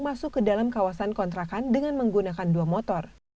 masuk ke dalam kawasan kontrakan dengan menggunakan dua motor